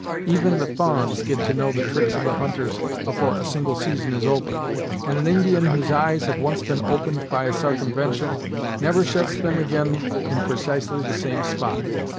Even the fa'ans get to know the tricks of the hunters afore a single season is over, and an Indian whose eyes have once been opened by a sarcumvention never shuts them ag'in in precisely the same spot.